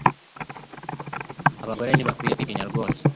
abagore ntibakwiye kwitinya rwose